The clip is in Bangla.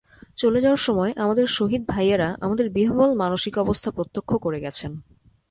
চলে যাওয়ার সময় আমাদের শহীদ ভাইয়েরা আমাদের বিহ্বল মানসিক অবস্থা প্রত্যক্ষ করে গেছেন।